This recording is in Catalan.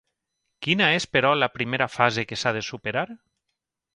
Quina és, però, la primera fase que s'ha de superar?